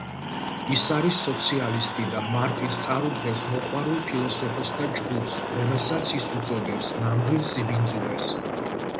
ის არის სოციალისტი და მარტინს წარუდგენს მოყვარულ ფილოსოფოსთა ჯგუფს, რომელსაც ის უწოდებს „ნამდვილ სიბინძურეს“.